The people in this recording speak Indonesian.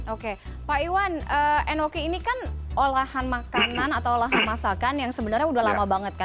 oke pak iwan enoki ini kan olahan makanan atau olahan masakan yang sebenarnya udah lama banget kan